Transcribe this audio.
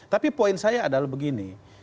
tapi poin saya adalah begini